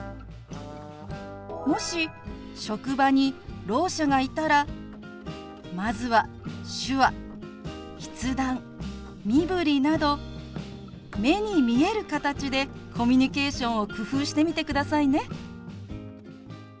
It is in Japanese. もし職場にろう者がいたらまずは手話筆談身振りなど目に見える形でコミュニケーションを工夫してみてくださいね。